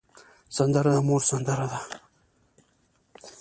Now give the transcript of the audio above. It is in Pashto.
سندره د مور سندره ده